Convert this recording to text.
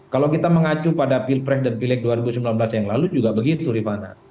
kalau kita mengacu pada pilpres dan pilek dua ribu sembilan belas yang lalu juga begitu rifana